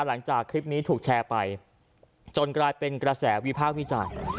หลังจากคลิปนี้ถูกแชร์ไปจนกลายเป็นกระแสวิพากษ์วิจารณ์